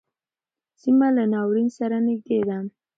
سیمه له ناورین سره نږدې ده.